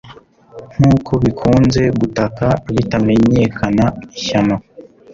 Nkuko bikunze gutaka bitamenyekana ishyano